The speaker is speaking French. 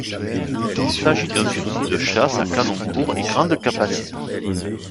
Il s'agit d'un fusil de chasse à canon court et grande capacité.